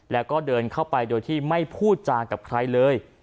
แล้วก็เดินเข้าไปโดยที่ไม่พูดจากับใครเลย